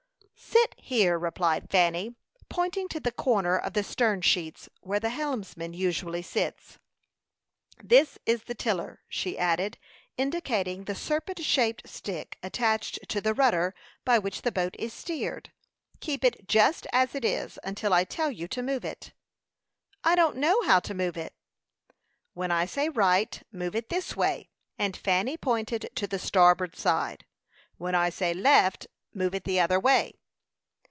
"Sit here," replied Fanny, pointing to the corner of the stern sheets, where the helmsman usually sits. "This is the tiller," she added, indicating the serpent shaped stick attached to the rudder, by which the boat is steered. "Keep it just as it is, until I tell you to move it." "I don't know how to move it." "When I say right, move it this way;" and Fanny pointed to the starboard side. "When I say left, move it the other way."